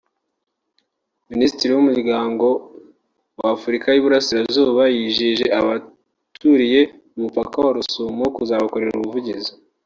Minisiteri y’Umuryango w’Afurika y’Iburasirazuba yijeje abaturiye umupaka wa Rusumo kuzabakorera ubuvugizi